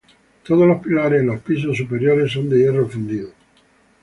Todos los pilares en los pisos superiores son de hierro fundido.